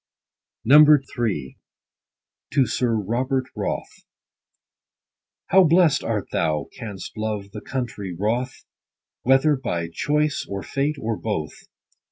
III. — TO SIR ROBERT WROTH. How blest art thou, canst love the country, WROTH, Whether by choice, or fate, or both